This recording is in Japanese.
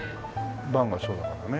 版がそうだからね。